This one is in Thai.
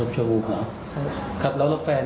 ผู้ชายครับผู้ชายครับอายุเท่าไหร่